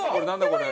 これ。